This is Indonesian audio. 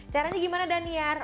caranya gimana daniar